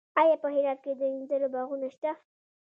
آیا په هرات کې د انځرو باغونه شته؟